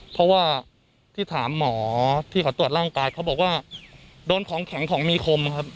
เพราะว่าที่ถามหมอที่เขาตรวจร่างกายเขาบอกว่าโดนของแข็งของมีคมครับ